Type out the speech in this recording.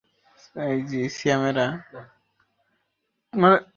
যদি কিট কিনতে হয়, কিনবে।